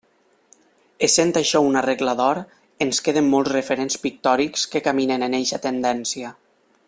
Essent això una regla d'or, ens queden molts referents pictòrics que caminen en eixa tendència.